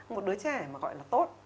một đứa trẻ mà gọi là tốt